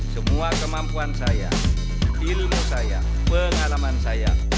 semua kemampuan saya di ilmu saya pengalaman saya